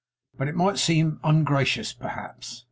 'But it might seem ungracious, perhaps.